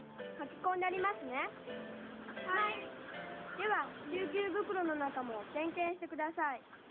では救急袋の中も点検してください。